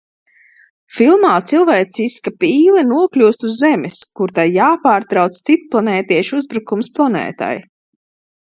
Filmā cilvēciska pīle nokļūst uz Zemes, kur tai jāpārtrauc citplanētiešu uzbrukums planētai.